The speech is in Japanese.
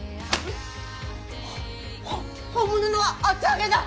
ほ本物の厚揚げだ！